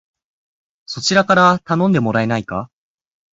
そちらから頼んでもらえないか